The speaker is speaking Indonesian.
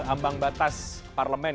ambang batas parlemen